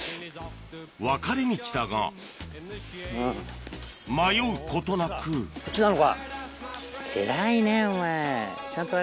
分かれ道だが迷うことなくこっちなのか。